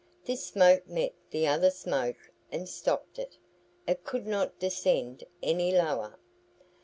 This smoke met the other smoke and stopped it. It could not descend any lower.